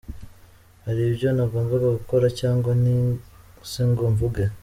Hari ibyo ntagombaga gukora cyangwa se ngo mvuge.